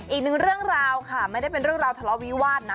อีกหนึ่งเรื่องราวค่ะไม่ได้เป็นเรื่องราวทะเลาะวิวาสนะ